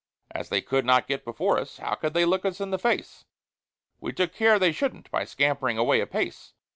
As they could not get before us, how could they look us in the face? We took care they shouldn't, by scampering away apace.